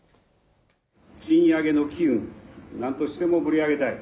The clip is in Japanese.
賃上げの機運、なんとしても盛り上げたい。